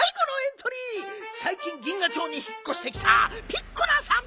さいきん銀河町にひっこしてきたピッコラさん。